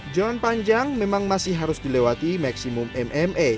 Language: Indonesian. jalan panjang memang masih harus dilewati maksimum mma